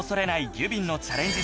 ギュビンのチャレンジ